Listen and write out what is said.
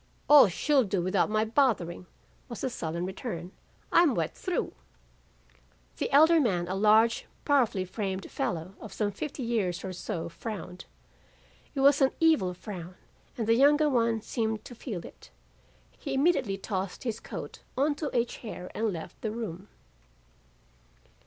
"'O, she'll do without my bothering,' was the sullen return. 'I'm wet through.' "The elder man, a large powerfully framed fellow of some fifty years or so, frowned. It was an evil frown, and the younger one seemed to feel it. He immediately tossed his coat onto a chair and left the room.